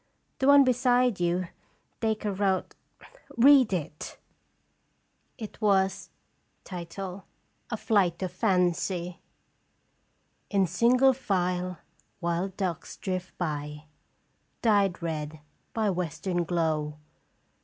The one beside you, Dacre wrote. Read it." It was : "A FLIGHT OF FANCY. " In single file wild ducks drift by. Dyed red by western glow.